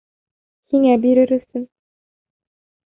Һиңә бирер өсөн.